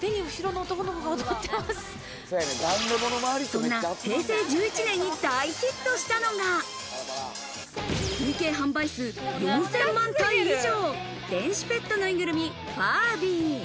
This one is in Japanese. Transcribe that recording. そんな平成１１年に大ヒットしたのが、累計販売数４０００万体以上、電子ペットぬいぐるみ、ファービー。